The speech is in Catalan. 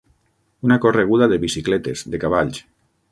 Una correguda de bicicletes, de cavalls.